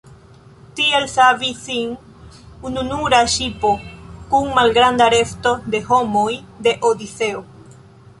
Tiel savis sin ununura ŝipo kun malgranda resto da homoj de Odiseo.